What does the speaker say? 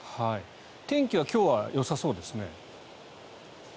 天気は今日はよさそうですね。